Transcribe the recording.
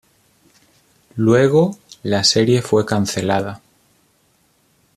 Luego, la serie fue cancelada.